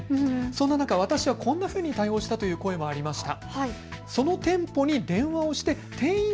そんな中、私はこんなふうに対応したという声もありました。